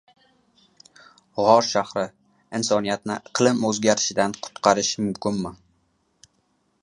"G‘or shahri" insoniyatni iqlim o‘zgarishidan qutqarishi mumkin:mi?